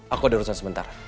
aku ada urusan sebentar